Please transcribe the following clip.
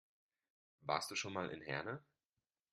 Warst du schon mal in Herne?